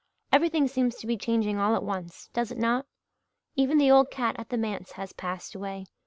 Everything seems to be changing all at once, does it not? Even the old cat at the manse has passed away.